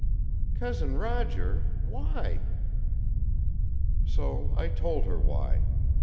"Cousin Roger? Why?" So I told her why.